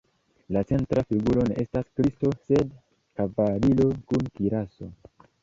La centra figuro ne estas Kristo sed kavaliro kun kiraso.